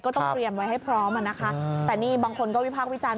ต้องเตรียมไว้ให้พร้อมอ่ะนะคะแต่นี่บางคนก็วิพากษ์วิจารณ